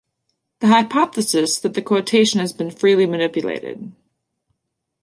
The hypothesis that the quotation has been freely manipulated.